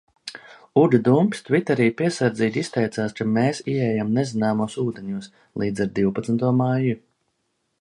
Uga Dumpis tviterī piesardzīgi izteicās, ka mēs ieejam nezināmos ūdeņos līdz ar divpadsmito maiju.